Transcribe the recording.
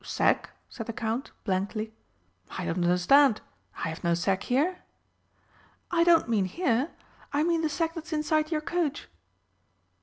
"Sack?" said the Count blankly. "I don't understand. I have no sack here." "I don't mean here. I mean the sack that's inside your coach."